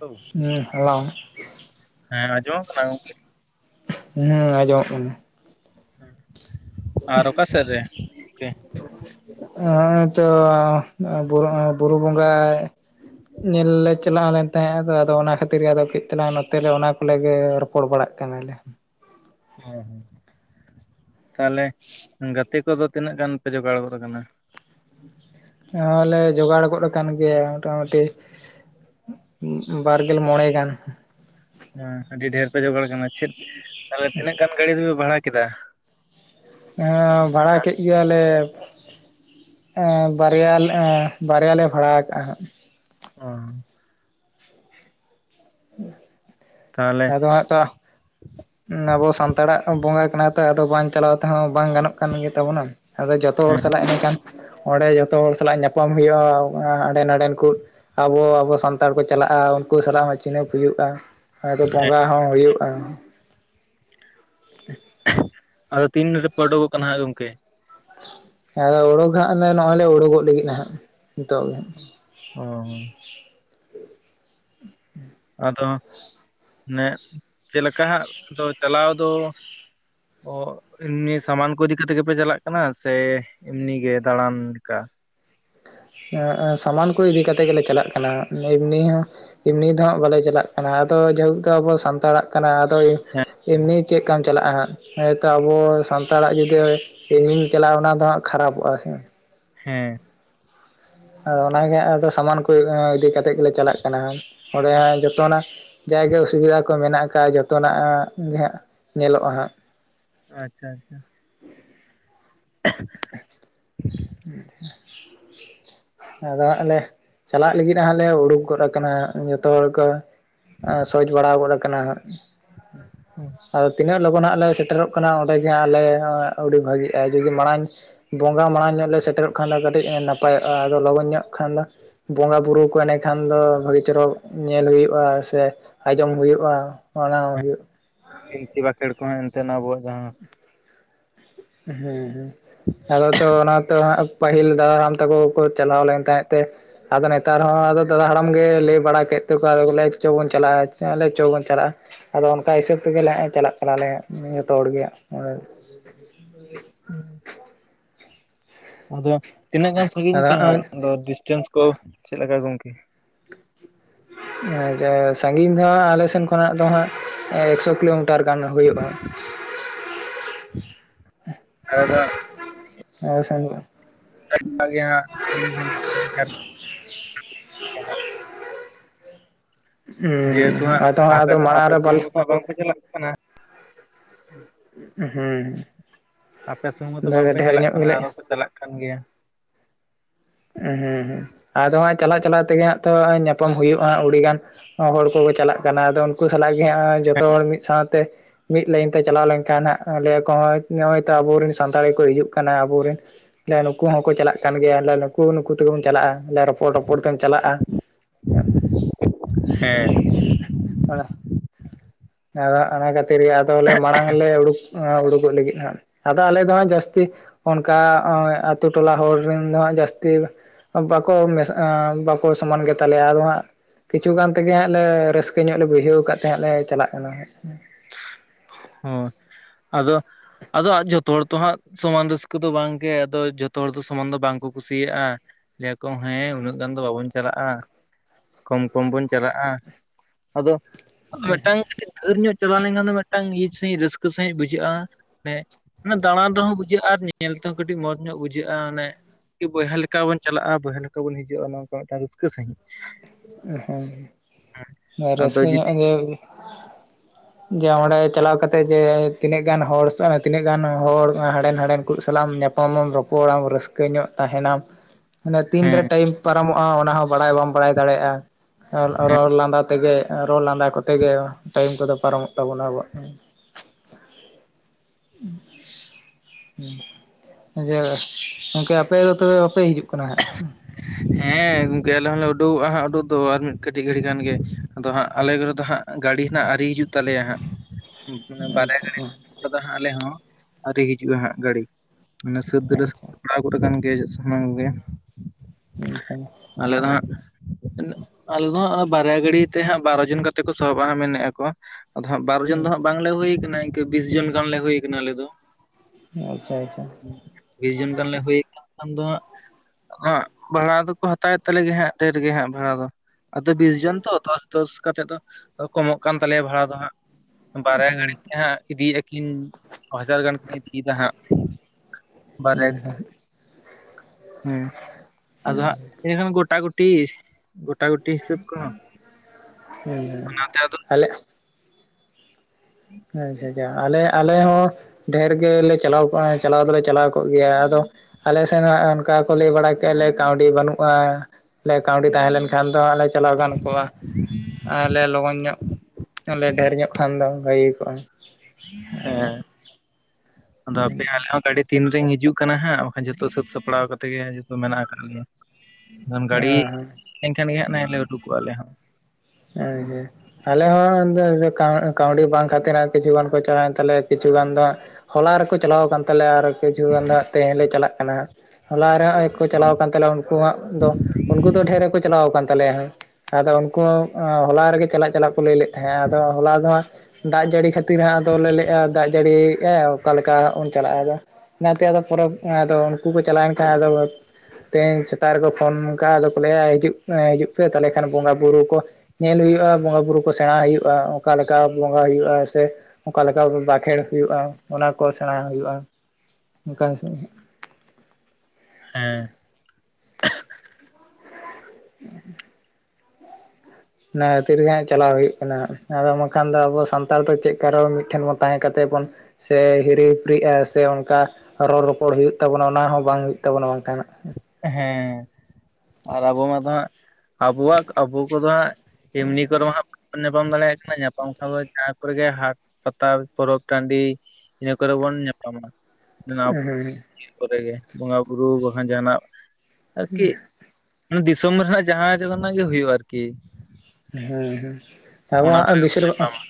Hello ᱩᱸ hello. ᱦᱮᱸ ᱟᱸᱡᱚᱢᱚᱜ ᱠᱟᱱᱟ ᱜᱚᱝᱠᱮ ᱦᱩᱸ ᱟᱸᱡᱚᱢᱚᱜ ᱠᱟᱱᱟ᱾ ᱟᱨ ᱚᱠᱟ ᱥᱮᱫ ᱨᱮ? ᱜᱚᱝᱠᱮ? ᱦᱚᱜ ᱚᱭ ᱛᱚ ᱵᱩᱨᱩ ᱵᱩᱨᱩ ᱵᱚᱸᱜᱟᱭᱼᱼ ᱧᱮᱞ ᱞᱮ ᱪᱟᱞᱟᱣ ᱞᱮᱱ ᱛᱟᱦᱮᱸᱫ ᱟᱛᱚ ᱟᱫᱚ ᱚᱱᱟ ᱠᱷᱟᱹᱛᱤᱨ ᱜᱮ ᱟᱫᱚ ᱠᱟᱹᱡ ᱪᱟᱞᱟᱝ ᱱᱚᱛᱮ ᱞᱮ ᱚᱱᱟ ᱠᱚᱞᱮ ᱜᱮ ᱨᱚᱯᱼᱼ ᱨᱚᱯᱚᱲ ᱵᱟᱲᱟᱜ ᱠᱟᱱᱟᱞᱮ᱾ ᱦᱮᱸ ᱦᱮᱸ ᱛᱟᱦᱚᱞᱮ ᱜᱟᱛᱮ ᱠᱚᱫᱚ ᱛᱤᱱᱟᱹᱜ ᱜᱟᱱ ᱯᱮ ᱡᱚᱜᱟᱲ ᱜᱚᱱ ᱠᱟᱱᱟ? ᱦᱚᱸ ᱞᱮ ᱡᱚᱜᱟᱲ ᱜᱚᱱ ᱟᱠᱟᱱ ᱜᱮᱭᱟ ᱢᱚᱴᱟᱢᱩᱴᱤᱼᱼ ᱵᱟᱨᱜᱮᱞ ᱢᱚᱬᱮ ᱜᱟᱱ᱾ ᱦᱮᱸ ᱟᱹᱰᱤ ᱰᱷᱮᱨ ᱯᱮ ᱡᱚᱜᱟᱲ ᱠᱟᱱᱟ, ᱪᱮᱫ ᱛᱟᱦᱞᱮ ᱛᱤᱱᱟᱹᱜ ᱜᱟᱱ ᱜᱟᱹᱰᱤ ᱫᱚᱯᱮ ᱵᱷᱟᱲᱟ ᱠᱮᱫᱟ? ᱮᱸ ᱵᱷᱟᱲᱟ ᱠᱮᱜ ᱜᱮᱭᱟᱞᱮ ᱮᱸ ᱵᱟᱨᱭᱟ ᱞᱮ ᱵᱟᱨᱭᱟ ᱞᱮ ᱵᱷᱟᱲᱟ ᱟᱠᱟᱜᱼᱟ ᱦᱟᱸᱜ ᱚᱸ ᱛᱟᱦᱚᱞᱮ ᱟᱫᱚ ᱦᱟᱸᱜ ᱛᱚ ᱟᱵᱚ ᱥᱟᱱᱛᱟᱲᱟᱜ ᱵᱚᱸᱜᱟ ᱠᱟᱱ ᱜᱮᱭᱟ ᱛᱚ ᱟᱫᱚ ᱵᱟᱝ ᱪᱟᱞᱟᱣ ᱛᱮᱦᱚᱸ ᱵᱟᱝ ᱜᱟᱱᱚᱜ ᱠᱟᱱ ᱜᱮᱛᱟᱵᱚᱱᱟ᱾ ᱟᱫᱚ ᱡᱚᱛᱚ ᱦᱚᱲ ᱦᱮᱸ ᱥᱟᱞᱟᱜ ᱮᱸᱠᱷᱟᱱ ᱚᱸᱰᱮ ᱡᱚᱛᱚ ᱦᱚᱲ ᱥᱟᱞᱟᱜ ᱧᱟᱯᱟᱢ ᱦᱩᱭᱩᱜᱼᱟ ᱦᱟᱸᱰᱮ ᱱᱟᱰᱮᱱ ᱠᱩ ᱟᱵᱚ ᱟᱵᱚ ᱥᱟᱱᱛᱟᱲ ᱠᱚ ᱪᱟᱞᱟᱜᱼᱟ ᱩᱱᱠᱩ ᱥᱟᱞᱟᱜ ᱦᱚᱸ ᱪᱤᱱᱟᱹᱯ ᱦᱩᱭᱩᱜᱼᱟ ᱟᱫᱚ ᱦᱮᱸ ᱵᱚᱸᱜᱟ ᱦᱚᱸ ᱦᱩᱭᱩᱜᱼᱟ᱾ [inaudible] ᱟᱫᱚ ᱛᱤᱱ ᱨᱮᱻᱯᱮ ᱩᱰᱳᱠᱚᱜ ᱠᱟᱱᱟ ᱦᱟᱸᱜ ᱜᱚᱝᱠᱮ, ᱟᱫᱚ ᱚᱰᱳᱠ ᱦᱟᱸᱜ ᱱᱚᱜᱼᱚᱭ ᱞᱮ ᱩᱰᱳᱠᱚᱜ ᱞᱟᱹᱜᱤᱫ ᱱᱟ ᱦᱟᱸᱜ ᱱᱤᱛᱚᱜ ᱜᱮ᱾ ᱚᱸ ᱟᱫᱚ ᱢᱟᱱᱮ ᱪᱮᱫ ᱞᱮᱠᱟ ᱦᱟᱸᱜ ᱫᱚ ᱪᱟᱞᱟᱣ ᱫᱚ ᱚ ᱮᱢᱱᱤ ᱥᱟᱢᱟᱱ ᱠᱚ ᱤᱫᱤ ᱠᱟᱛᱮᱜ ᱜᱮᱯᱮ ᱪᱟᱞᱟᱜ ᱠᱟᱱᱟ ᱥᱮ ᱮᱢᱱᱤ ᱜᱮ ᱫᱟᱬᱟᱱ ᱞᱮᱠᱟ, ᱮᱸ ᱥᱟᱢᱟᱱ ᱠᱚ ᱤᱫᱤ ᱠᱟᱛᱮᱜ ᱜᱮᱞᱮ ᱪᱟᱞᱟᱜ ᱠᱟᱱᱟ ᱮᱢᱱᱤ ᱦᱚᱸ ᱮᱢᱱᱤ ᱫᱚ ᱦᱟᱸᱜ ᱵᱟᱞᱮ ᱪᱟᱞᱟᱜ ᱠᱟᱱᱟ ᱟᱫᱚ ᱡᱮᱦᱩᱛᱚ ᱟᱵᱚᱭᱟᱜ ᱥᱟᱱᱛᱟᱲᱟᱜ ᱠᱟᱱᱟ ᱫᱚ ᱦᱮᱸ ᱮᱢᱱᱮ ᱪᱮᱫ ᱠᱟᱱ ᱪᱟᱞᱟᱜᱼᱟ ᱦᱟᱸᱜ ᱦᱮᱸᱛᱚ ᱟᱵᱚ ᱥᱟᱱᱛᱟᱲᱟᱜ ᱡᱩᱫᱤ ᱤᱧᱤᱧ ᱪᱟᱞᱟᱜᱼᱟ ᱚᱱᱟ ᱫᱚ ᱦᱟᱸᱜ ᱠᱷᱟᱨᱟᱯᱚᱜᱼᱟ ᱥᱮ, ᱦᱮᱸ ᱟᱫᱚ ᱚᱱᱟᱜᱮ ᱟᱫᱚ ᱥᱟᱢᱟᱱ ᱠᱚ ᱤᱫᱤ ᱠᱟᱛᱮᱜ ᱜᱮᱞᱮ ᱪᱟᱞᱟᱜ ᱠᱟᱱᱟ ᱚᱸᱰᱮ ᱦᱟᱸᱜ ᱡᱚᱛᱚᱱᱟᱜ ᱡᱟᱜᱮ ᱚᱥᱩᱵᱤᱫᱟ ᱠᱚ ᱢᱮᱱᱟᱜ ᱟᱠᱟᱜᱼᱟ ᱡᱚᱛᱚᱱᱟᱜ ᱜᱮ ᱦᱟᱸᱜ ᱧᱮᱞᱚᱜᱼᱟ ᱦᱟᱸᱜ᱾ ᱟᱪᱪᱷᱟ ᱟᱪᱪᱷᱟ, [inaudible] [inaudible] ᱦᱮ ᱟᱪᱪᱷᱟ, ᱟᱫᱚ ᱦᱟᱸᱜ ᱞᱮ ᱪᱟᱞᱟᱜ ᱞᱟᱹᱜᱤᱫ ᱦᱟᱸᱜ ᱞᱮ ᱩᱰᱩᱠ ᱜᱚᱫ ᱟᱠᱟᱱᱟ ᱡᱚᱛᱚ ᱦᱚᱲ ᱠᱚ ᱥᱚᱪ ᱵᱟᱲᱟ ᱜᱚᱫ ᱟᱠᱟᱱᱟ ᱦᱟᱸᱜ᱾ ᱦᱩᱸ ᱟᱫᱚ ᱛᱤᱱᱟᱹᱜ ᱞᱚᱜᱚᱱ ᱦᱟᱸᱜ ᱞᱮ ᱥᱮᱴᱮᱨᱚᱜ ᱠᱟᱱᱟ ᱚᱸᱰᱮ ᱜᱮ ᱟᱞᱮ ᱟᱹᱰᱤ ᱵᱷᱟᱹᱜᱤᱜᱼᱟ ᱡᱩᱫᱤ ᱢᱟᱲᱟᱝ ᱵᱚᱸᱜᱟ ᱢᱟᱲᱟᱝ ᱧᱚᱜ ᱞᱮ ᱥᱮᱴᱮᱨᱚᱜ ᱠᱷᱟᱱ ᱫᱚ ᱠᱟᱹᱴᱤᱷ ᱱᱟᱯᱟᱭᱚᱜᱼᱟ ᱟᱫᱚ ᱞᱚᱜᱚᱱ ᱧᱚᱜ ᱠᱷᱟᱱ ᱫᱚ ᱵᱚᱸᱜᱟ ᱵᱩᱨᱩ ᱠᱚ ᱮᱱᱰᱮ ᱠᱷᱟᱱ ᱫᱚ ᱵᱷᱟᱹᱜᱤ ᱪᱚᱨᱚᱠ ᱧᱮᱞ ᱦᱩᱭᱩᱜᱼᱟ ᱥᱮ, ᱟᱸᱡᱚᱢ ᱦᱩᱭᱩᱜᱼᱟ ᱚᱱᱟ ᱦᱚᱸ ᱦᱩᱭᱩᱜ ᱵᱤᱱᱛᱤ ᱵᱟᱸᱠᱷᱮᱲ ᱠᱚᱦᱚᱸ ᱮᱱᱟᱛᱮ ᱟᱵᱚᱣᱟᱜ ᱡᱟᱦᱟᱸ ᱦᱩᱸ ᱦᱩᱸ ᱟᱫᱚ ᱛᱚ ᱚᱱᱟ ᱛᱚ ᱦᱟᱸᱜ ᱯᱟᱦᱤᱞ ᱫᱟᱫᱟ ᱦᱟᱲᱟᱢ ᱛᱟᱠᱚ ᱠᱚ ᱪᱟᱞᱟᱣ ᱞᱮᱱ ᱛᱟᱦᱮᱸᱛᱮ ᱟᱫᱚ ᱱᱮᱛᱟᱨ ᱦᱚᱸ ᱟᱫᱚ ᱫᱟᱫᱟ ᱦᱟᱲᱟᱢ ᱜᱮ ᱞᱟᱹᱭ ᱵᱟᱲᱟ ᱠᱮᱫ ᱛᱮᱠᱚ ᱟᱫᱚ ᱵᱚᱞᱮ ᱪᱚ ᱵᱚᱱ ᱪᱟᱞᱟᱜᱼᱟ ᱟᱪᱪᱷᱟ ᱪᱚ ᱵᱚᱱ ᱪᱟᱞᱟᱜᱼᱟ᱾ ᱟᱫᱚ ᱚᱱᱠᱟ ᱦᱤᱥᱟᱹᱵᱽ ᱛᱮᱜᱮᱞᱮ ᱪᱟᱞᱟᱜ ᱠᱟᱱᱟᱞᱮ ᱡᱚᱛᱚ ᱦᱚᱲ ᱜᱮ, ᱦᱳᱭ ᱦᱮᱸ ᱟᱫᱚ ᱛᱤᱱᱟᱹᱜ ᱜᱟᱱ ᱥᱟᱺᱜᱤᱧ ᱟᱫᱚ ᱛᱮ ᱦᱟᱸᱜ ᱦᱚᱸᱜᱼᱚᱭ ᱟᱫᱚ ᱰᱤᱥᱴᱮᱱᱥ ᱠᱚ ᱪᱮᱫ ᱞᱮᱠᱟ ᱜᱚᱝᱠᱮ, ᱦᱮᱸ ᱡᱮ ᱥᱟᱺᱜᱤᱧ ᱫᱚ ᱦᱟᱸᱜ ᱟᱞᱮ ᱥᱮᱱ ᱠᱷᱚᱱᱟᱜ ᱫᱚ ᱦᱟᱸᱜ ᱮᱠᱥᱚ ᱠᱤᱞᱳᱢᱤᱴᱟᱨ ᱜᱟᱱ ᱦᱩᱭᱩᱜᱼᱟ᱾ [inaudible] ᱟᱞᱮ ᱫᱚ ᱦᱟᱸᱜ, ᱦᱮᱸ ᱥᱮ [unintelligible] [unintelligible] ᱛᱤᱱ ᱜᱷᱚᱱᱴᱟ ᱦᱩᱸ ᱡᱮᱹᱛᱩ ᱦᱟᱸᱜ ᱟᱫᱚ ᱟᱯᱮ ᱟᱫᱚ ᱥᱮ ᱢᱟᱲᱟᱝ ᱟᱯᱮ ᱨᱮ ᱵᱟᱞᱮ ᱥᱩᱢᱩᱝ ᱢᱚᱛᱚ ᱫᱚ, ᱵᱟᱝᱯᱮ ᱪᱟᱞᱟᱜ ᱠᱟᱱᱟ? ᱩᱸ ᱦᱩᱸ᱾ ᱟᱯᱮ ᱥᱩᱢᱩ ᱛᱚ ᱟᱫᱚ ᱵᱟᱝᱯᱮ ᱰᱷᱮᱨ ᱪᱟᱞᱟᱜ ᱧᱚᱜ ᱠᱟᱱᱟ, ᱜᱮᱞᱮ ᱟᱨᱚ ᱠᱚ ᱪᱟᱞᱟᱜ ᱠᱟᱱ ᱜᱮᱹᱭᱟ᱾ ᱩᱸ ᱦᱩᱸ, ᱦᱩᱸ! ᱟᱫᱚ ᱶᱟᱜ ᱪᱟᱞᱟᱜ-ᱪᱟᱞᱟᱜ ᱛᱮᱜᱮ ᱦᱟᱸᱜ ᱛᱚ ᱮᱸ ᱧᱟᱯᱟᱢ ᱦᱩᱭᱩᱜᱼᱟ ᱩᱰᱤᱜᱟᱱ! ᱚᱦᱚᱲ ᱠᱚᱜᱚ ᱪᱟᱞᱟᱜ ᱠᱟᱱᱟ, ᱟᱫᱚ ᱩᱱᱠᱩ ᱥᱟᱞᱟᱜ ᱜᱮ ᱟᱸ ᱡᱚᱛᱚ ᱦᱚᱲ ᱢᱤᱫ ᱥᱟᱶᱛᱮ, ᱢᱤᱫ ᱞᱟᱹᱭᱤᱱ ᱛᱮᱹ ᱪᱟᱞᱟᱣ ᱞᱮᱝ ᱠᱷᱟᱱ ᱦᱟᱸᱜ, ᱟᱸ ᱞᱟᱹᱭ ᱠᱚ ᱚᱸᱭ ᱧᱚᱭ ᱛᱚ, ᱟᱵᱩᱨᱮᱱ ᱥᱟᱱᱛᱟᱲ ᱮ ᱠᱚ ᱦᱤᱡᱩᱜ ᱠᱟᱱᱟ, ᱟᱵᱩᱨᱮᱱ᱾ ᱞᱮ ᱞᱩᱠᱩ ᱦᱚᱸᱠᱚ ᱪᱟᱞᱟᱜ ᱠᱟᱱ ᱜᱮᱹᱭᱟ ᱞᱟᱹ ᱱᱩᱠᱩ-ᱱᱩᱠᱩ ᱛᱩᱨᱩᱱ ᱪᱟᱞᱟᱜᱼᱟ᱾ ᱞᱮ ᱨᱚᱯᱚᱨ-ᱨᱚᱯ- -ᱯᱚᱲ ᱛᱮᱢ ᱪᱟᱞᱟᱜᱼᱟ᱾ ᱦᱮᱸ [inaudible] ᱧᱟᱫᱚ, ᱟᱱᱟ ᱠᱟᱹᱛᱤᱨ ᱜᱮ ᱟᱫᱚᱞᱮ ᱢᱟᱲᱟᱝ ᱞᱮ ᱩᱰᱩᱠ, ᱚᱸ ᱩᱰᱩᱠᱚᱜ ᱞᱤᱜᱤᱫ ᱦᱟᱸᱜ! ᱟᱫᱚ, ᱟᱞᱮ ᱫᱚ ᱦᱟᱸᱜ ᱡᱟᱥᱛᱤ ᱚᱱᱠᱟ, ᱚᱸᱭ ᱟᱛᱩ ᱴᱚᱞᱟ ᱦᱚᱲ ᱨᱮᱱ ᱫᱚ ᱶᱟᱜ ᱡᱟᱥ- -ᱛᱤ ᱫᱟᱜ ᱵᱟᱠᱚ ᱢᱮᱥᱟᱜᱼᱟᱸ, ᱵᱟᱠᱚ ᱥᱚᱢᱟᱱ ᱜᱮᱛᱟ ᱞᱮᱭᱟ ᱟᱫᱚ ᱶᱟᱜ ᱠᱤᱪᱷᱩ ᱜᱟᱱ ᱛᱮᱜᱮ ᱟᱸᱜ ᱞᱮ, ᱨᱟᱹᱥᱠᱟᱹ ᱧᱚᱜ ᱞᱮ ᱵᱩᱡᱷᱟᱹᱣ ᱠᱟᱜ, ᱛᱮᱦᱮᱸᱜ ᱞᱮ ᱪᱟᱞᱟᱜ ᱠᱟᱱᱟ᱾ ᱮᱸ ᱮᱸ ᱦᱳ, ᱟᱫᱚ ᱟᱫᱚ ᱟ ᱡᱚᱛᱚ ᱦᱚᱲ ᱛᱚ ᱦᱟᱸᱜ ᱥᱚᱢᱟᱱ ᱨᱟᱹᱥᱠᱟᱹ ᱫᱚ ᱵᱟᱝᱜᱮ, ᱟᱫᱚ, ᱡᱷᱚᱛᱚ ᱦᱚᱲ ᱫᱚ, ᱥᱚᱢᱟᱱ ᱫᱚ ᱵᱟᱝ ᱠᱚ ᱠᱩᱥᱤᱭᱟᱜᱼᱟ! ᱞᱟᱹᱭᱟᱠᱚ ᱦᱮᱸ ᱩᱱᱟᱹᱜ ᱜᱟᱱ ᱫᱚ ᱵᱟᱵᱚᱱ ᱪᱟᱞᱟᱜᱼᱟᱸ, ᱠᱚᱢ ᱠᱚᱢ ᱵᱚᱱ ᱪᱟᱞᱟᱜᱼᱟᱸ᱾ ᱟᱫᱚ, ᱟᱫᱚ, ᱢᱤᱫᱴᱟᱝ ᱠᱟᱹᱴᱤᱡ ᱫᱷᱟᱹᱨ ᱧᱚᱜ ᱪᱟᱞᱟᱣ ᱞᱮᱝᱠᱷᱟᱱ ᱫᱚ᱾ ᱢᱮ ᱴᱟᱝ ᱤᱡᱽ ᱥᱟᱺᱦᱤᱡ ᱨᱟᱹᱥᱠᱟᱹ ᱥᱟᱺᱦᱤᱡ ᱵᱩᱡᱷᱟᱹᱜᱼᱟ, ᱢᱮ ᱢᱮ ᱫᱟᱬᱟᱱ ᱛᱮᱦᱚᱸ ᱵᱩᱡᱷᱟᱹᱜᱼᱟᱨ ᱧᱮᱜ ᱧᱮᱞ ᱛᱮᱦᱚᱸ ᱠᱟᱹᱴᱤᱜ ᱢᱚᱡ ᱧᱚᱜ ᱵᱩᱡᱷᱟᱹᱜᱼᱟᱸ ᱱᱮ! ᱠᱤ ᱵᱚᱭᱦᱟ ᱞᱮᱠᱟ ᱵᱚᱱ ᱪᱟᱞᱟᱜᱼᱟ, ᱵᱚᱭᱦᱟ ᱞᱮᱠᱟ ᱵᱚᱱ ᱦᱤᱡᱩᱜᱼᱟ, ᱱᱚᱝᱠᱟ ᱢᱤᱫᱴᱟᱝ ᱨᱟᱹᱥᱠᱟᱹ ᱥᱟᱺᱦᱤᱡ! ᱩᱸ ᱦᱩᱸ ᱢᱟ ᱟᱫᱚ ᱨᱟᱹᱥᱠᱟᱹ ᱡᱩᱫᱤ ᱧᱚᱜ ᱜᱮ! ᱡᱮ ᱚᱸᱰᱮ ᱪᱟᱞᱟᱣ ᱠᱟᱛᱮᱜ, ᱡᱮ ᱮ ᱛᱤᱱᱟᱹᱜ ᱜᱟᱱ ᱦᱚᱲ ᱥᱟᱨᱟ, ᱛᱤᱱᱟᱹᱜ ᱜᱟᱱ ᱦᱚᱲ ᱚᱸ ᱦᱟᱸᱰᱮᱱ-ᱦᱟᱸᱰᱮᱱ ᱠᱩᱜ ᱥᱟᱞᱟᱜ ᱮᱢ ᱧᱟᱯ- -ᱯᱟ ᱢᱟᱢ, ᱨᱚᱯᱚᱲᱟᱢ ᱨᱟᱹᱥᱠᱟᱹ ᱧᱚᱜ ᱛᱟᱦᱮᱱᱟᱢ, ᱢᱟᱱᱮ ᱛᱤᱱᱨᱮ ᱦᱮᱸ ᱴᱟᱭᱤᱢ ᱯᱟᱨᱚᱢᱚᱜᱼᱟ, ᱚᱱᱟ ᱦᱚᱸ ᱵᱟᱲᱟᱭ ᱵᱟᱢ ᱵᱟᱲᱟᱭ ᱫᱟᱲᱮᱭᱟᱜᱼᱟ᱾ ᱚᱞ ᱦᱮᱸ ᱟᱨᱚᱲ ᱞᱟᱸᱫᱟ ᱛᱮᱜᱮ ᱮᱸ ᱨᱚᱲ ᱞᱟᱸᱫᱟ ᱠᱚᱛᱮ ᱜᱮᱣᱚᱦ, ᱴᱟᱭᱤᱢ ᱠᱚᱫᱚ ᱯᱟᱨᱚᱢᱚᱜ ᱛᱟᱵᱚᱱᱟ ᱟᱵᱚᱣᱟᱜ! ᱩᱸ ᱩᱸ! ᱩᱸ ᱡᱮ ᱜᱚᱝᱠᱮ, ᱟᱯᱮ ᱫᱚ ᱛᱚᱵᱮ ᱵᱟᱯᱮ ᱦᱤᱡᱩᱜ ᱠᱟᱱᱟ ᱦᱟᱸᱜ? ᱩᱸ ᱦᱮᱸᱻ ᱜᱚᱝᱠᱮ, ᱟᱞᱮ ᱦᱚᱸᱞᱮ ᱩᱰᱩᱜᱚᱜᱼᱟ, ᱦᱟᱸᱜ ᱩᱰᱩᱠ ᱫᱚ ᱟᱨ ᱢᱤᱫ ᱠᱟᱹᱴᱤᱡ ᱜᱷᱟᱹᱲᱤᱡ ᱜᱟᱱ ᱜᱮ ᱟᱫᱚ ᱦᱟᱸᱜ, ᱟᱞᱮ ᱠᱮᱹᱨᱮ ᱫᱚ ᱦᱟᱸᱜ ᱟᱸ ᱜᱟᱰᱤ ᱦᱟᱱᱟᱜ ᱟᱼᱨᱤ ᱦᱤᱡᱩᱜ ᱛᱟᱞᱮᱭᱟ ᱦᱟᱸᱜ! ᱩ ᱢᱟᱱᱮ ᱵᱟᱨᱭᱟ ᱟᱪᱪᱷᱟ ᱟᱪᱪᱷᱟ [inaudible] ᱠᱟᱫᱟ ᱦᱟᱸᱜ, ᱟᱞᱮ ᱦᱚᱸ ᱟᱼᱣᱨᱤ ᱦᱤᱡᱩᱜᱼᱟ, ᱦᱟᱸᱜ ᱜᱟᱹᱲᱤ! ᱢᱟᱱᱮ ᱥᱟᱹᱛ ᱫᱚᱞᱮ ᱥᱟᱹ ᱟᱪᱪᱷᱟ ᱵᱟᱲᱟᱟᱣ ᱜᱚᱴ ᱠᱟᱱ ᱜᱮᱭᱟ, ᱡᱟ ᱥᱟᱦᱱᱟᱢ ᱜᱚ ᱜᱮ᱾ ᱵᱤᱧ ᱪᱷᱟᱱᱟ᱾ ᱟᱞᱮ ᱫᱟ ᱦᱟᱸᱜ [inaudible] ᱟᱞ ᱫᱟ ᱦᱟᱸᱜ, ᱟᱸ ᱵᱟᱨᱭᱟ ᱜᱟᱹᱲᱤ ᱛᱮᱦᱟᱸᱜ, ᱵᱟᱨᱚ ᱡᱚᱱ ᱠᱟᱛᱮ ᱠᱚ ᱥᱟᱦᱚᱵᱚᱜᱼᱟ, ᱢᱮᱱᱮᱜᱼᱟ ᱠᱚ᱾ ᱟᱫᱚ ᱦᱟᱸᱜ ᱵᱟᱨ ᱡᱚᱱ ᱫᱚ ᱦᱟᱸᱜ ᱵᱟᱝᱞᱮ ᱦᱩᱭ ᱠᱟᱱᱟ, ᱤᱝᱠᱟᱹ ᱵᱤᱥ ᱡᱚᱱ ᱜᱟᱱᱞᱮ ᱦᱩᱭ ᱠᱟᱱᱟ, ᱟᱞᱮ ᱫᱚ᱾ ᱟᱪᱪᱷᱟ-ᱪᱷᱟ! ᱩᱸ ᱵᱤᱥ ᱡᱚᱱ ᱜᱟᱱᱞᱮ ᱦᱩᱭ ᱠᱟᱱ-ᱠᱟᱱ ᱫᱚ ᱶᱟᱜ ᱟᱫᱚ ᱶᱟᱜ ᱵᱷᱟᱲᱟ ᱫᱚᱠᱚ ᱦᱟᱛᱟᱣᱮᱫ ᱛᱟᱞᱮᱜᱮ ᱦᱟᱸᱜ, ᱰᱮᱨ ᱜᱮ ᱦᱟᱸᱜ ᱵᱷᱟᱬᱟ ᱫᱚ ᱟᱫᱚ ᱵᱤᱥ ᱡᱚᱱ ᱛᱚ! [inaudible] ᱫᱚᱥ ᱠᱟᱛᱮᱜ ᱫᱚ, ᱠᱚᱢᱚᱜ ᱠᱟᱱ ᱛᱟᱞᱮᱭᱟ ᱵᱷᱟᱲᱟ ᱫᱚ ᱦᱟᱸᱜ! ᱵᱟᱨᱭᱟ ᱦᱮᱸ ᱜᱟᱲᱤ ᱛᱮ ᱦᱟᱸᱜ ᱤᱫᱤᱭᱮᱜ ᱟᱠᱤᱱ, ᱚ ᱦᱟᱡᱟᱨ ᱜᱟᱱ ᱠᱤᱱ ᱤᱫᱤ ᱫᱟᱦᱟᱸᱜ ᱵᱟᱨᱮ ᱦᱮᱸ ᱦᱮᱸ, ᱟᱫᱚ ᱦᱮᱸ ᱦᱟᱸᱜ ᱤᱱᱟᱹᱠᱷᱟᱱ ᱜᱚᱴᱟ-ᱜᱩᱴᱤ, ᱜᱚᱴᱟ-ᱜᱩᱴᱤ ᱦᱤᱥᱟᱹᱵ ᱠᱚᱦᱚᱸ᱾ ᱦᱩᱸ, ᱟᱞᱮ ᱟ ᱡᱷᱟᱡᱟ ᱟᱞᱮ, ᱟᱞᱮ ᱦᱚᱸ ᱰᱷᱮᱨ ᱜᱮ ᱞᱮ ᱪᱟᱞᱟᱣ ᱠᱚᱜᱼᱟ, ᱪᱟᱞᱟᱣ ᱫᱚᱞᱮ ᱪᱟᱞᱟᱣ ᱠᱚᱜ ᱜᱮᱭᱟ ᱟᱫᱚ, ᱟᱞᱮ ᱥᱮᱱ ᱢᱟ ᱚᱱᱠᱟ ᱠᱚ ᱞᱟᱹᱭ ᱵᱟᱲᱟ ᱠᱮᱼᱟ, ᱞᱮ ᱠᱟᱣᱰᱤ ᱵᱟᱱᱩᱜᱼᱟᱸ᱾ ᱞᱮ ᱠᱟᱶᱰᱤ ᱛᱟᱦᱮᱸ ᱞᱮᱱᱠᱷᱟᱱ ᱫᱚ, ᱦᱟᱸᱜ ᱞᱮ ᱪᱟᱞᱟᱣ ᱜᱟᱱ ᱠᱚᱜᱼᱟ᱾ ᱟᱨ ᱞᱮ ᱞᱚᱜᱚᱱ ᱧᱚᱜ ᱞᱮ ᱰᱷᱮᱨ ᱧᱚᱜ ᱠᱷᱟᱱ ᱫᱚ ᱵᱷᱟᱹᱜᱤ ᱠᱚᱜᱼᱟ᱾ ᱦᱮᱸ ᱟᱫᱚ ᱦᱟᱯᱮ ᱟᱞᱮ ᱦᱚᱸ ᱜᱟᱲᱤ ᱛᱤᱱ ᱨᱤᱧ ᱦᱤᱡᱩᱜ ᱠᱟᱱᱟ ᱦᱟᱸᱜ ᱵᱟᱠᱷᱟᱱ ᱡᱷᱚᱛᱚ ᱥᱟᱹᱛ ᱥᱟᱯᱲᱟᱣ ᱠᱟᱛᱮ ᱜᱮ ᱡᱚᱛᱚ ᱢᱮᱱᱟᱜ ᱠᱟᱫ ᱞᱮᱭᱟ᱾ ᱦᱩᱸ ᱜᱟᱹᱲᱤ ᱦᱮᱸ ᱦᱮᱜ ᱞᱮᱱ ᱠᱷᱟᱱ ᱜᱮ ᱦᱟᱸᱜ ᱞᱮ ᱩᱰᱩᱠᱚᱜᱼᱟ ᱟᱞᱮ ᱦᱚᱸ᱾ ᱟᱞᱮ ᱦᱚᱸ ᱠᱟᱹᱣᱰᱤ ᱵᱟᱝ ᱠᱷᱟᱹᱛᱤᱨ ᱟᱨ ᱠᱤᱪᱷᱩᱟᱱ ᱪᱟᱞᱟᱣᱮᱱ ᱛᱟᱞᱮᱭᱟ ᱠᱤᱪᱷ ᱜᱟᱱ ᱫᱚ ᱦᱚᱞᱟ ᱨᱮᱠᱚ ᱪᱟᱞᱟᱣ ᱠᱟᱱ ᱛᱟᱞᱮᱭᱟ ᱟᱨᱚ ᱠᱤᱪᱷᱩ ᱜᱟᱱ ᱫᱚ ᱦᱟᱸᱜ ᱛᱮᱦᱮᱧ ᱞᱮ ᱪᱟᱞᱟᱜ ᱠᱟᱱᱟ᱾ ᱦᱚᱞᱟ ᱨᱮ ᱦᱚᱸ ᱠᱚ ᱪᱟᱞᱟᱣ ᱠᱟᱱ ᱛᱟᱞᱮᱭᱟ ᱩᱱᱠᱩᱣᱟᱜ ᱫᱚ ᱩᱱᱠᱩ ᱫᱚ ᱰᱷᱮᱨ ᱜᱮᱠᱚ ᱪᱟᱞᱟᱣ ᱠᱟᱱ ᱛᱟᱞᱮᱭᱟ ᱦᱮᱸ᱾ ᱟᱫᱚ ᱩᱱᱠᱩ ᱦᱚᱞᱟ ᱨᱮᱜᱮ ᱪᱟᱞᱟᱜ ᱪᱟᱞᱟᱜ ᱠᱚ ᱞᱟᱹᱭ ᱞᱮᱫ ᱛᱟᱦᱮᱸᱜᱼᱟ, ᱟᱫᱚ ᱦᱚᱞᱟ ᱫᱚ ᱫᱟᱜ ᱡᱟᱹᱲᱤ ᱠᱷᱟᱹᱛᱤᱨ ᱦᱟᱸᱜ ᱟᱫᱚ ᱞᱮᱜᱼᱟ ᱫᱟᱜ ᱡᱟᱹᱲᱤ ᱚᱠᱟ ᱞᱮᱠᱟ ᱵᱚᱱ ᱪᱟᱞᱟᱜᱼᱟ ᱟᱫᱚ᱾ ᱚᱱᱟᱛᱮ ᱟᱫᱚ ᱯᱚᱨᱚᱵᱽ ᱟᱫᱚ ᱩᱱᱠᱩ ᱠᱟ ᱪᱟᱞᱟᱣᱮᱱ ᱠᱷᱟᱱ ᱟᱫᱚ ᱛᱮᱦᱮᱧ ᱥᱮᱛᱟᱜ ᱨᱮᱠᱚ ᱯᱷᱳᱱ ᱠᱟᱜ ᱟᱫᱚ ᱠᱚ ᱞᱟᱹᱭᱟ ᱦᱤᱡᱩᱜ ᱦᱤᱡᱩᱜ ᱯᱮ ᱛᱟᱦᱚᱞᱮ ᱠᱷᱟᱱ ᱵᱚᱸᱜᱟ ᱵᱩᱨᱩ ᱠᱚ ᱧᱮᱞ ᱦᱩᱭᱩᱜᱼᱟ ᱵᱚᱸᱜᱟ ᱵᱩᱨᱩ ᱠᱚ ᱥᱮᱬᱟᱭ ᱦᱩᱭᱩᱜᱼᱟ ᱚᱠᱟᱞᱮᱠᱟ ᱵᱚᱸᱜᱟ ᱦᱩᱭᱩᱜᱼᱟ ᱥᱮ ᱚᱠᱟᱞᱮᱠᱟ [unintelligible] ᱵᱟᱸᱠᱷᱮᱲ ᱦᱩᱭᱩᱜᱼᱟ ᱚᱱᱟ ᱠᱚ ᱥᱮᱬᱟ ᱦᱩᱭᱩᱜᱼᱟ, ᱚᱝᱠᱟᱱ ᱦᱮᱸ ᱦᱩᱸ [unintelligible] ᱦᱮ [unintelligible] [inaudible] ᱚᱱᱟ ᱛᱤᱨᱜᱮ ᱦᱟᱸᱜ ᱪᱟᱞᱟᱜ ᱦᱩᱭᱩᱜ ᱠᱟᱱᱟ, ᱟᱫᱚ ᱵᱟᱝᱠᱷᱟᱱ ᱫᱚ ᱟᱵᱚ ᱥᱟᱱᱛᱟᱲ ᱫᱚ ᱪᱮᱫ ᱞᱮᱠᱟᱚᱸ ᱢᱤᱫ ᱴᱷᱮᱱᱚᱱ ᱛᱟᱦᱮᱸ ᱠᱟᱛᱮ ᱵᱚᱱ ᱥᱮ ᱦᱤᱨᱤ ᱦᱤᱯᱤᱨᱤᱜᱼᱟ ᱥᱮ ᱚᱱᱠᱟ ᱨᱚᱲ ᱨᱚᱯᱚᱲ ᱦᱩᱭᱩᱜ ᱛᱟᱵᱚᱱᱟ ᱚᱱᱟ ᱦᱚᱸ ᱵᱟᱝ ᱦᱩᱭᱩᱜ ᱛᱟᱵᱚᱱᱟ ᱵᱟᱝᱠᱷᱟᱱ। ᱦᱮᱸ ᱟᱨ ᱟᱵᱚ ᱢᱟ ᱫᱚ ᱦᱟᱸᱜ ᱟᱵᱚᱣᱟᱜ ᱟᱵᱚ ᱠᱚᱫᱚ ᱦᱟᱸᱜ ᱮᱢᱱᱤ ᱠᱚᱨᱮ ᱩᱟᱸᱜ ᱚᱱᱮ ᱧᱟᱯᱟᱢ ᱫᱟᱲᱮᱭᱟᱜ ᱠᱟᱱᱟ, ᱧᱟᱯᱟᱢ ᱫᱚ ᱡᱟᱦᱟᱸ ᱠᱚᱨᱮ ᱜᱮ ᱦᱟᱴ, ᱯᱟᱛᱟ ᱯᱚᱨᱚᱵᱽ ᱴᱟᱺᱰᱤ ᱤᱱᱟᱹ ᱠᱚᱨᱮ ᱵᱚᱱ ᱧᱟᱯᱟᱢᱟ, ᱚᱱᱟ ᱦᱩᱸ [unintelligible] ᱠᱚᱨᱮᱜᱮ ᱵᱚᱸᱜᱟ ᱵᱩᱨᱩ ᱵᱟᱠᱷᱟᱱ ᱡᱟᱦᱟᱸᱱᱟᱜ ᱟᱨᱠᱤ ᱫᱤᱥᱚᱢ ᱨᱮᱱᱟᱜ ᱡᱟᱦᱟᱸ ᱡᱚᱱᱟᱜ ᱜᱮ ᱦᱩᱭᱩᱜᱼᱟ ᱟᱨᱠᱤ। ᱦᱩᱸ ᱦᱩᱸ ᱚᱱᱟ ᱟᱵᱚᱣᱟᱜ ᱠᱚᱨᱮ ᱵᱮᱥᱤᱨ [unintelligible] ᱦᱩᱸ ᱧᱟᱯᱟᱢᱟ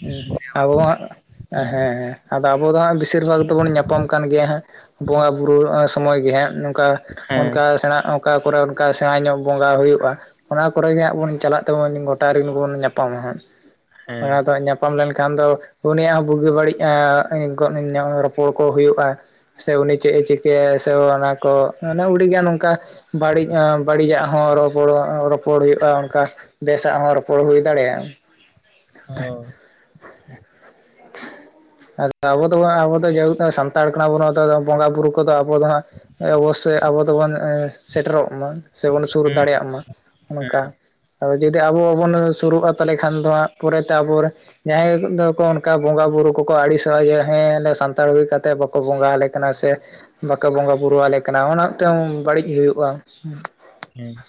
ᱦᱩᱸ ᱟᱵᱚᱣᱟᱜ ᱦᱮᱸ ᱦᱮᱸ ᱟᱫᱚ ᱟᱵᱚ ᱫᱚ ᱦᱟᱸ ᱵᱤ ᱥᱤᱨ ᱵᱷᱟᱜ ᱫᱚᱵᱚᱱ ᱧᱟᱯᱟᱢ ᱠᱟᱱ ᱜᱮᱭᱟ ᱦᱮᱸ ᱵᱚᱸᱜᱟ ᱵᱩᱨᱩ ᱥᱚᱢᱚᱭ ᱜᱮ ᱦᱟᱸᱜ ᱱᱚᱠᱟ ᱦᱮᱸ ᱚᱱᱠᱟ ᱥᱮᱬᱟ ᱚᱠᱟ ᱠᱚᱨᱮ ᱚᱱᱠᱟ ᱥᱮᱬᱟ ᱧᱚᱜ ᱵᱚᱸᱜᱟ ᱦᱩᱭᱩᱜᱼᱟ, ᱚᱱᱟ ᱠᱚᱨᱮ ᱜᱮ ᱦᱟᱸᱜ ᱵᱚᱱ ᱪᱟᱞᱟᱜ ᱛᱚ ᱩᱱ ᱜᱚᱴᱟ ᱨᱤᱱᱵᱚᱱ ᱧᱟᱯᱟᱢᱟ ᱦᱟᱸᱜ, ᱚᱱᱟ ᱫᱚ ᱦᱮᱸ ᱧᱟ ᱧᱟᱯᱟᱢ ᱞᱮᱱᱠᱷᱟᱱ ᱫᱚ ᱩᱱᱤᱭᱟᱜ ᱦᱚᱸ ᱵᱩᱜᱤ ᱵᱟᱹᱲᱤᱡ ᱟᱸ ᱨᱚᱯᱚᱲ ᱠᱚ ᱦᱩᱭᱩᱜᱼᱟ। ᱥᱮ ᱩᱱᱤ ᱪᱮᱫ ᱮ ᱪᱤᱠᱟᱹᱭᱟ ᱥᱮ ᱚᱱᱟ ᱠᱚ ᱚᱱᱮ ᱩᱰᱤᱜ ᱜᱮ ᱱᱚᱝᱠᱟ ᱵᱟᱹᱲᱤᱡ ᱟᱸ ᱵᱟᱹᱲᱤᱡᱟᱜ ᱦᱚᱸ ᱨᱚᱯᱚᱲᱟ-ᱨᱚᱯᱚᱲ ᱦᱩᱭᱩᱜᱼᱟ ᱚᱱᱠᱟ ᱵᱮᱥᱟᱜ ᱦᱚᱸ ᱨᱚᱯᱚᱲ ᱦᱩᱭ ᱫᱟᱲᱮᱭᱟᱜᱼᱟ। ᱦᱚ᱾ [unintelligible] ᱟᱵᱚ ᱫᱚ ᱟᱵᱚ ᱫᱚ ᱡᱮᱦᱮᱛᱩ ᱥᱟᱱᱛᱟᱲ ᱠᱟᱱᱟ ᱵᱚᱱ ᱟᱫᱚ ᱵᱚᱸᱜᱟ ᱵᱩᱨᱩ ᱠᱚᱫᱚ ᱟᱵᱚ ᱫᱚ ᱦᱟᱸᱜ ᱚᱵᱚᱥᱥᱳᱭ ᱟᱵᱚ ᱫᱚᱵᱚᱱ ᱥᱮᱴᱮᱨᱚᱜ ᱢᱟ। ᱥᱮᱵᱚᱱ ᱥᱩᱨ ᱦᱩᱸ ᱫᱟᱲᱮᱭᱟᱜ ᱢᱟ ᱦᱮᱸ ᱚᱝᱠᱟ। ᱟᱫᱚ ᱡᱩᱫᱤ ᱟᱵᱚ ᱵᱟᱵᱚᱱ ᱥᱩᱨᱩᱜᱼᱟ ᱛᱟᱦᱚᱞᱮ ᱠᱷᱟᱱ ᱫᱚ ᱦᱟᱸᱜ ᱯᱚᱨᱮᱛᱮ ᱟᱵᱚ ᱨᱮᱱ ᱡᱟᱦᱟᱸᱭ ᱫᱚᱠᱚ ᱚᱱᱠᱟ ᱵᱚᱸᱜᱟ ᱵᱩᱨᱩ ᱠᱚᱠᱚ ᱟᱹᱲᱤᱥᱚᱜᱼᱟ ᱡᱮ ᱦᱮᱸ ᱥᱟᱱᱛᱟᱲ ᱦᱩᱭ ᱠᱟᱛᱮ ᱠᱚ ᱵᱚᱸᱜᱟ ᱟᱞᱮ ᱠᱟᱱᱟ ᱥᱮ ᱵᱟᱠᱚ ᱵᱚᱸᱜᱟ ᱵᱩᱨᱩᱣᱟᱞᱮ ᱠᱟᱱᱟ, ᱚᱱᱟ ᱢᱤᱫᱴᱟᱝ ᱵᱟᱹᱲᱤᱡ ᱦᱩᱭᱩᱜᱼᱟ। ᱦᱩᱸ᱾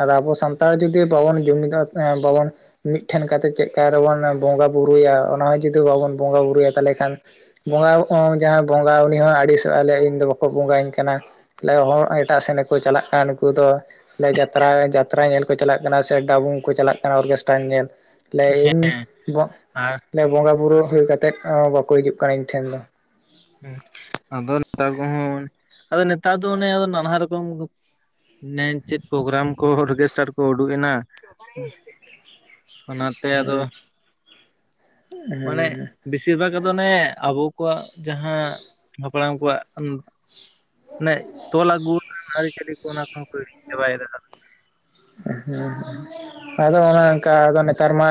ᱟᱫᱚ ᱟᱵᱚ ᱥᱟᱱᱛᱟᱲ ᱡᱩᱫᱤ ᱵᱟᱵᱚᱱ ᱡᱩᱢᱤᱫᱚᱜᱼᱟ ᱵᱟᱵᱚᱱ ᱢᱤᱫ ᱴᱷᱮᱱ ᱠᱟᱛᱮ ᱪᱮᱫᱠᱟ ᱨᱮᱵᱚᱱ ᱵᱚᱸᱜᱟᱼ ᱵᱩᱨᱩᱭᱟ ᱚᱱᱟ ᱦᱚᱸ ᱡᱩᱫᱤ ᱵᱟᱵᱚᱱ ᱵᱚᱸᱜᱟᱼ ᱵᱩᱨᱩᱭᱟ ᱛᱟᱦᱚᱞᱮ ᱠᱷᱟᱱ ᱡᱟᱸᱦᱟ ᱡᱟᱦᱟᱸᱭ ᱵᱚᱸᱜᱟ ᱩᱱᱤ ᱦᱚᱸ ᱟᱹᱲᱤᱥᱚᱜᱼᱟ ᱞᱮᱟᱭ ᱤᱧ ᱫᱚ ᱵᱟᱠᱚ ᱵᱚᱸᱜᱟ ᱤᱧ ᱠᱟᱱᱟ। ᱞᱮ ᱦᱚᱲ ᱮᱴᱟᱜ ᱥᱮᱱ ᱨᱮᱠᱚ ᱪᱟᱞᱟᱜ ᱠᱟᱱ। ᱩᱱᱠᱩ ᱫᱚ ᱡᱟᱛᱨᱟ, ᱡᱟᱛᱨᱟ ᱧᱮᱞ ᱠᱚ ᱪᱟᱞᱟᱜ ᱠᱟᱱᱟ ᱥᱮ ᱰᱟᱵᱩᱝ ᱠᱚ ᱪᱟᱞᱟᱜ ᱠᱟᱱᱟ ᱚᱨᱜᱮᱥᱴᱟᱨ ᱧᱮᱞ। ᱞᱮᱤᱧ ᱵᱚ ᱟᱨ ᱞᱮ ᱵᱚᱸᱜᱟ ᱵᱩᱨᱩ ᱦᱩᱭ ᱠᱟᱛᱮᱫ ᱵᱟᱠᱚ ᱦᱤᱡᱩᱜ ᱠᱟᱱᱟ ᱤᱧ ᱴᱷᱮᱱ ᱫᱚ। ᱟᱫᱚ ᱱᱮᱛᱟᱨ ᱠᱚᱦᱚᱸ ᱟᱫᱚ ᱱᱮᱛᱟᱨ ᱫᱚ ᱚᱱᱮ ᱱᱟᱱᱦᱟ ᱨᱚᱠᱚᱢ। [unintelligible] ᱪᱮᱫ ᱯᱨᱳᱜᱨᱟᱢ ᱠᱚ ᱚᱨᱜᱮᱥᱴᱟᱨ ᱠᱚ ᱩᱰᱩᱠ ᱮᱱᱟ? ᱚᱱᱟᱛᱮ ᱦᱮᱸ ᱟᱫᱚ, ᱢᱟᱱᱮᱼᱼ ᱦᱮᱸ ᱵᱮᱥᱤᱨ ᱵᱷᱟᱜᱽ ᱟᱫᱚ ᱚᱱᱮᱮ ᱟᱵᱚ ᱠᱚᱣᱟᱜ ᱡᱟᱦᱟᱸ ᱦᱟᱯᱲᱟᱢ ᱠᱚᱣᱟᱜ। ᱚᱱᱮ ᱛᱚᱞ ᱟᱹᱜᱩ ᱟᱹᱨᱤᱪᱟᱹᱞᱤ ᱠᱚ ᱚᱱᱟ ᱠᱚᱦᱚᱸ ᱠᱚ ᱦᱤᱲᱤᱧ ᱪᱟᱵᱟᱭᱮᱫᱟ। ᱟᱫᱚ ᱚᱱᱮ ᱚᱱᱠᱟ ᱟᱫᱚ ᱱᱮᱛᱟᱨ ᱢᱟᱼᱼ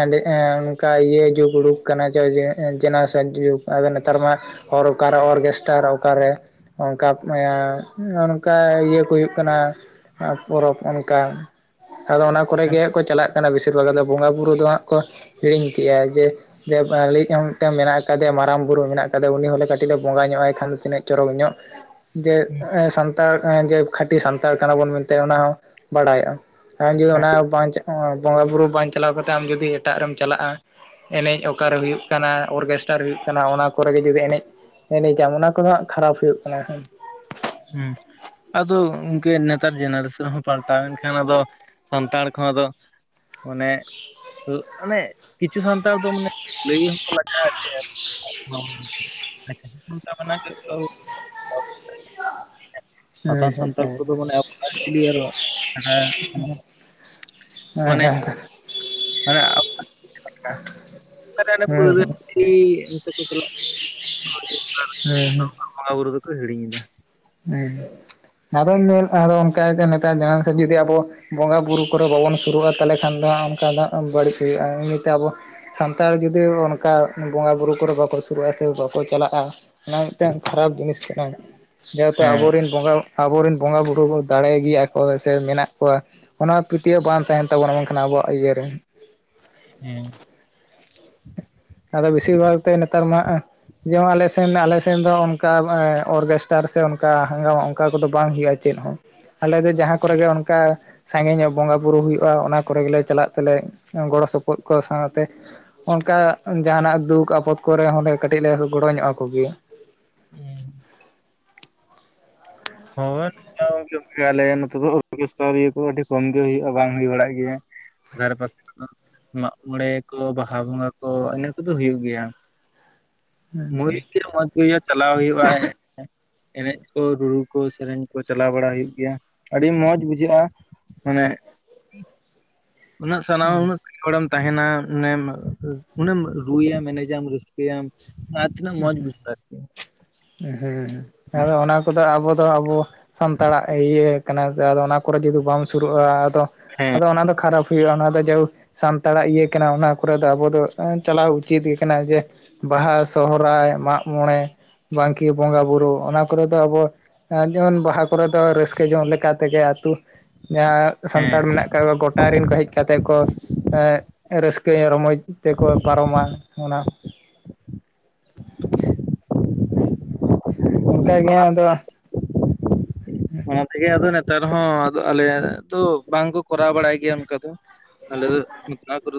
ᱟᱹᱰᱤ ᱮ ᱚᱱᱠᱟ ᱤᱭᱟᱹ ᱡᱩᱜᱽ ᱩᱰᱩᱠ ᱠᱟᱱᱟ ᱡᱚᱭ ᱡᱮᱱᱟᱨᱮᱥᱚᱱ ᱡᱩᱜᱽ ᱟᱫᱚ ᱱᱮᱛᱟᱨ ᱢᱟ ᱼᱼ ᱦᱚᱨ ᱚᱠᱟᱨᱮ ᱚᱨᱠᱮᱥᱴᱟᱨ ᱚᱠᱟᱨᱮ? ᱚᱱᱠᱟ ᱚᱱᱠᱟ ᱤᱭᱟᱹ ᱠᱚ ᱦᱩᱭᱩᱜ ᱠᱟᱱᱟ ᱯᱚᱨᱚᱵᱽ᱾ ᱠᱟ ᱟᱫᱚ ᱚᱱᱟ ᱠᱚᱨᱮ ᱜᱮ ᱠᱚ ᱪᱟᱞᱟᱜ ᱠᱟᱱᱟ ᱵᱮᱥᱤᱨ ᱵᱷᱟᱜᱽ ᱫᱚ ᱵᱚᱸᱜᱟ ᱵᱩᱨᱩ ᱫᱚ ᱦᱟᱸᱜ ᱠᱚ। ᱦᱤᱲᱤᱧ ᱠᱮᱫᱮᱜᱼᱟ ᱡᱮ ᱼᱼ ᱡᱮ ᱟᱞᱮᱭᱤᱡ ᱦᱚᱸ ᱢᱤᱫᱴᱮᱱ ᱢᱮᱱᱟᱜ ᱠᱟᱫᱮᱭᱟ ᱢᱟᱨᱟᱝ ᱵᱩᱨᱩ ᱢᱮᱱᱟᱜ ᱠᱟᱫᱮᱭᱟ ᱩᱱᱤ ᱦᱚᱞᱮ ᱠᱟᱹᱴᱤᱡ ᱞᱮ ᱵᱚᱸᱜᱟ ᱧᱚᱜ ᱟᱭ ᱠᱷᱟᱱ ᱫᱚ ᱛᱤᱱᱟᱹᱜ ᱪᱚᱨᱚᱠ ᱧᱚᱜ। ᱡᱮ ᱥᱟᱱᱛᱟᱲ ᱡᱮ ᱠᱷᱟᱹᱴᱤ ᱥᱟᱱᱛᱟᱲ ᱠᱟᱱᱟ ᱵᱚᱱ ᱢᱮᱱᱛᱮ ᱚᱱᱟ ᱦᱚᱸ ᱵᱟᱲᱟᱭᱚᱜᱼᱟ᱾ ᱟᱢ ᱡᱩᱫᱤ ᱚᱱᱟ ᱵᱟᱝ ᱵᱚᱸᱜᱟ ᱵᱩᱨᱩ ᱵᱟᱝ ᱪᱟᱞᱟᱣ ᱠᱟᱛᱮᱫ ᱟᱢ ᱡᱩᱫᱤ ᱮᱴᱟᱜ ᱨᱮᱢ ᱪᱟᱞᱟᱜᱼᱟ᱾ ᱮᱱᱮᱡ ᱚᱠᱟᱨᱮ ᱦᱩᱭᱩᱜ ᱠᱟᱱᱟ ᱚᱨᱜᱮᱥᱴᱟᱨ ᱦᱩᱭᱩᱜ ᱠᱟᱱᱟ ᱚᱱᱟ ᱠᱚᱨᱮ ᱜᱮ ᱡᱩᱫᱤ ᱮᱱᱮᱡᱼᱼ ᱮᱱᱮᱡᱟᱢ ᱚᱱᱟ ᱠᱚᱫᱚ ᱦᱟᱜ ᱠᱷᱟᱨᱟᱯ ᱦᱩᱭᱩᱜ ᱠᱟᱱᱟ᱾ ᱦᱮᱸ ᱟᱫᱚ ᱤᱱᱠ ᱱᱮᱛᱟᱨ ᱡᱮᱱᱟᱨᱮᱥᱚᱱ ᱦᱚᱸ ᱯᱟᱞᱴᱟᱣ ᱮᱱᱠᱷᱟᱱ ᱟᱫᱚᱼᱼ ᱥᱟᱱᱛᱟᱲ ᱠᱚᱦᱚᱸ ᱟᱫᱚ ᱚᱱᱮ ᱚᱱᱮᱼᱼ ᱠᱤᱪᱷᱩ ᱥᱟᱱᱛᱟᱲ ᱫᱚ ᱢᱟᱱᱮ ᱞᱟᱹᱭ ᱦᱚᱸᱠᱚ ᱞᱟᱡᱟᱜᱼᱟ ᱡᱮ [unintelligible] [unintelligible] ᱦᱟᱥᱟᱱ ᱥᱟᱱᱛᱟᱲ ᱠᱚᱫᱚ ᱢᱟᱱᱮ ᱟᱵᱚ ᱟᱨ ᱪᱤᱞᱤ ᱦᱮᱸ ᱟᱨᱚ [unintelligible] ᱢᱟᱱᱮ [unintelligible] [unintelligible] [unintelligible] ᱦᱮᱸ ᱯᱟᱹᱣᱨᱟᱹ ᱛᱤᱠᱤ, ᱚᱱᱠᱟᱠᱚ ᱪᱟᱞᱟᱜ-ᱟ᱾ [unintelligible] ᱦᱮᱸ ᱦᱮᱸ᱾ ᱵᱚᱸᱜᱟ ᱵᱩᱨᱩ ᱫᱚᱠᱚ ᱦᱤᱲᱤᱧᱮᱫᱟ᱾ ᱦᱮᱸ ᱟᱫᱚ ᱟᱫᱚ ᱚᱱᱠᱟ ᱱᱮᱛᱟᱨ ᱡᱟᱦᱟ ᱥᱮᱫ ᱡᱩᱫᱤ ᱟᱵᱚᱼᱼ ᱵᱚᱸᱜᱟᱼ ᱵᱩᱨᱩ ᱠᱚᱨᱮᱜ ᱵᱟᱵᱚᱱ ᱥᱩᱨᱩᱜᱼᱟ ᱛᱟᱦᱚᱞᱮ ᱠᱷᱟᱱ ᱫᱚ ᱚᱱᱠᱟ ᱫᱚ ᱵᱟᱹᱲᱤᱡ ᱦᱩᱭᱩᱜᱼᱟ, ᱱᱤᱭᱟᱹᱛᱮ ᱟᱵᱚᱼᱼ ᱥᱟᱱᱛᱟᱲ ᱡᱩᱫᱤ ᱚᱱᱠᱟ ᱵᱚᱸᱜᱟ ᱵᱩᱨᱩ ᱠᱚᱨᱮ ᱵᱟᱠᱚ ᱥᱩᱨᱩᱜᱼᱟ, ᱥᱮ ᱵᱟᱠᱚ ᱪᱟᱞᱟᱜᱼᱟ᱾ ᱚᱱᱟ ᱢᱤᱫᱴᱟᱝ ᱠᱷᱟᱨᱟᱯ ᱡᱤᱱᱤᱥ ᱠᱟᱱᱟ ᱡᱮᱦᱮᱛᱩ ᱦᱮᱸ ᱟᱵᱚᱨᱮᱱ ᱵᱚᱸᱜᱟᱼᱼ ᱟᱵᱚ ᱨᱮᱱ ᱵᱚᱸᱜᱟ ᱵᱳᱲᱳ ᱠᱚ ᱫᱟᱲᱮ ᱜᱮᱭᱟ ᱠᱚ ᱥᱮ ᱢᱮᱱᱟᱜ ᱠᱚᱣᱟ᱾ ᱚᱱᱟ ᱯᱟᱹᱛᱭᱟᱹᱣ ᱵᱟᱝ ᱛᱟᱦᱮᱸᱱ ᱛᱟᱵᱚᱱᱟ ᱵᱟᱝᱠᱷᱟᱱ ᱟᱵᱚᱣᱟᱜ ᱤᱭᱟᱹᱨᱮ᱾ ᱦᱮᱸ᱾ ᱟᱫᱚ ᱵᱮᱥᱤᱨ ᱵᱷᱟᱜᱽ ᱛᱮ ᱱᱮᱛᱟᱨ ᱢᱟᱼᱼ ᱡᱮᱢᱚᱱ ᱟᱞᱮ ᱥᱮᱱ ᱟᱞᱮ ᱥᱮᱱ ᱫᱚ ᱚᱱᱠᱟ ᱚᱨᱜᱮᱥᱴᱟᱨ ᱥᱮ ᱚᱱᱠᱟ ᱦᱚᱜᱟ ᱚᱱᱠᱟ ᱠᱚᱫᱚ ᱵᱟᱝ ᱦᱩᱭᱩᱜᱼᱟ ᱪᱮᱫ ᱦᱚᱸ᱾ ᱟᱞᱮ ᱫᱚ ᱡᱟᱦᱟᱸ ᱠᱚᱨᱮ ᱜᱮ ᱚᱱᱠᱟᱼᱼ ᱥᱟᱸᱜᱮᱧ ᱧᱚᱜ ᱵᱚᱸᱜᱟᱼᱵᱩᱨᱩ ᱦᱩᱭᱩᱜᱼᱟ, ᱚᱱᱟ ᱠᱚᱨᱮ ᱜᱮᱞᱮ ᱪᱟᱞᱟᱜ ᱛᱮᱞᱮ ᱜᱚᱲᱚ ᱥᱚᱯᱚᱦᱚᱫ ᱠᱚᱣᱟ ᱥᱟᱶᱛᱮᱼᱼ ᱚᱱᱠᱟ ᱡᱟᱦᱱᱟᱜ ᱫᱩᱠ ᱟᱯᱚᱫ ᱠᱚᱨᱮ ᱦᱚᱸᱞᱮ ᱠᱟᱹᱴᱤᱡ ᱞᱮ ᱜᱚᱲᱚ ᱧᱚᱜ ᱟᱠᱚ ᱜᱮᱭᱟ᱾ ᱦᱮᱸ᱾ ᱦᱳᱭ [unintelligible] ᱟᱞᱮ ᱱᱚᱛᱮ ᱫᱚ ᱚᱛ ᱤᱭᱟᱹ ᱠᱚ ᱟᱹᱰᱤ ᱠᱚᱢ ᱜᱮ ᱦᱩᱭᱩᱜᱼᱟ, ᱵᱟᱝ ᱦᱩᱭ ᱵᱟᱲᱟᱜ ᱜᱮᱭᱟ᱾ ᱫᱷᱟᱨᱮ ᱯᱟᱥᱮ [unintelligible] ᱢᱟᱜᱽ ᱢᱚᱬᱮ ᱠᱚ ᱵᱟᱦᱟ ᱵᱚᱸᱜᱟ ᱠᱚ ᱤᱱᱟᱹ ᱠᱚᱫᱚ ᱦᱩᱭᱩᱜ ᱜᱮᱭᱟ᱾ ᱟᱪᱪᱷᱟ [unintelligible] ᱪᱟᱞᱟᱣ ᱦᱩᱭᱩᱜᱼᱟ ᱮᱱᱮᱡ ᱠᱚ ᱨᱩᱼᱼ ᱠᱚ ᱥᱮᱨᱮᱧ ᱠᱚ ᱪᱟᱞᱟᱣ ᱵᱟᱲᱟ ᱦᱩᱭᱩᱜ ᱜᱮᱭᱟ ᱟᱹᱰᱤ ᱢᱚᱸᱡᱽ ᱵᱩᱡᱷᱟᱹᱜᱼᱟ, ᱢᱟᱱᱮᱼᱼ [unintelligible] ᱩᱱᱟᱹᱜ ᱦᱮᱸ ᱥᱟᱱᱟᱢ ᱦᱚᱲᱮᱢ ᱛᱟᱦᱮᱱᱟ [inaudible] ᱩᱱᱟᱹᱜ ᱮᱢ ᱨᱩᱭᱟᱢ ᱮᱱᱮᱡᱟᱢ ᱨᱟᱹᱥᱼᱼ ᱢ [inaudible] ᱛᱤᱱᱟᱜ ᱢᱚᱸᱡᱽ ᱵᱩᱡᱷᱟᱹᱜᱼᱟ ᱟᱨᱠᱤ ᱾ ᱦᱮᱸ ᱟᱫᱚ ᱚᱱᱟ ᱠᱚᱫᱚ ᱟᱵᱚ ᱫᱚ ᱟᱵᱚ ᱥᱟᱱᱛᱟᱲᱟᱜ ᱤᱭᱟᱹᱼᱼ ᱟᱫᱚ ᱚᱱᱟ ᱠᱚᱨᱮ ᱡᱩᱫᱤ ᱵᱟᱢ ᱥᱩᱨᱩᱜᱼᱟ ᱟᱫᱚ, ᱦᱮᱸ ᱟᱫᱚ ᱚᱱᱟ ᱫᱚ ᱠᱷᱟᱨᱟᱯᱼᱼ ᱦᱩᱭᱩᱜᱼᱟ ᱚᱱᱟ ᱫᱚ ᱡᱮ, ᱥᱟᱱᱛᱟᱲᱟᱜ ᱤᱭᱟᱹ ᱠᱟᱱᱟ ᱚᱱᱟ ᱠᱚᱨᱮ ᱫᱚ ᱟᱵᱚ ᱫᱚ ᱪᱟᱞᱟᱣ ᱩᱪᱤᱛ ᱜᱮ ᱠᱟᱱᱟ ᱡᱮᱼᱼ ᱵᱟᱦᱟ, ᱥᱚᱦᱨᱟᱭ, ᱢᱟᱜ ᱢᱚᱬᱮ, ᱵᱟᱝᱠᱤ ᱵᱚᱸᱜᱟᱵᱩᱨᱩ ᱚᱱᱟ ᱠᱚᱨᱮ ᱫᱚ ᱟᱵᱚᱼᱼ ᱟᱨ ᱡᱮᱢᱚᱱ ᱵᱟᱦᱟ ᱠᱚᱨᱮ ᱫᱚ ᱨᱟᱹᱥᱠᱟᱹ ᱡᱚᱝ ᱞᱮᱠᱟ ᱛᱮᱜᱮ ᱟᱹᱛᱩᱼᱼ ᱡᱟᱦᱟᱸ ᱦᱮᱸ ᱥᱟᱱᱛᱟᱲ ᱢᱮᱱᱟᱜ ᱟᱠᱟᱫ ᱠᱚ ᱜᱚᱴᱟ ᱨᱮᱱ ᱠᱚ ᱦᱮᱡ ᱠᱟᱛᱮᱜ ᱠᱚ, ᱮ ᱨᱟᱹᱥᱠᱟᱹᱭᱟ ᱨᱚᱢᱚᱚᱡᱼᱼ ᱛᱮᱠᱚ ᱯᱟᱨᱚᱢᱟ ᱚᱱᱟ ᱾ [unintelligible] ᱦᱮᱸ [inaudible] ᱚᱱᱠᱟ ᱜᱮ ᱟᱫᱚᱼᱼ [unintelligible] ᱚᱱᱟ ᱛᱮᱜᱮ ᱟᱫᱚ ᱱᱮᱛᱟᱨ ᱦᱚᱸ ᱟᱞᱮ ᱫᱚ ᱵᱟᱝᱠᱚ ᱠᱚᱨᱟᱣ ᱵᱟᱲᱟᱭ ᱜᱮᱭᱟ ᱚᱱᱠᱟ ᱫᱚ ᱾ ᱟᱞᱮ ᱫᱚ ᱵᱚᱸᱜᱟ ᱵᱩᱨᱩ ᱫᱚ ᱾